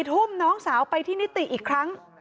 ทุ่มน้องสาวไปที่นิติอีกครั้ง